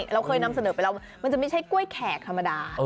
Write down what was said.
เราเคยนำเสนอไปแล้วว่ามันจะไม่ใช่กล้วยแขกธรรมดา